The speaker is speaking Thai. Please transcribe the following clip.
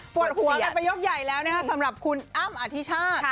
ปวดหัวไปประโยคใหญ่แล้วสำหรับคุณอ้ำอธิชาติ